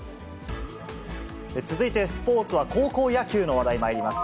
続いてスポーツは高校野球の話題まいります。